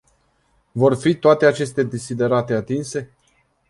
Vor fi toate aceste deziderate atinse?